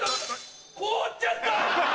凍っちゃった！